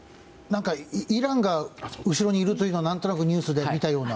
イランが後ろにいるというのをニュースで見たような。